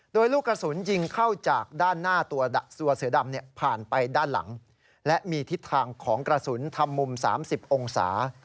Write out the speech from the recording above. โดยลูกกระสุนยิงเข้าจากด้านหน้าตัวเสือดำผ่านไปด้านหลังและมีทิศทางของกระสุนทำมุม๓๐องศา